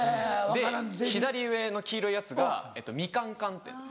左上の黄色いやつがみかん寒天です。